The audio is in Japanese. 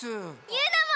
ゆうなも！